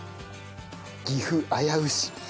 岐阜危うし。